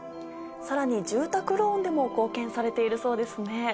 さらに住宅ローンでも貢献されているそうですね？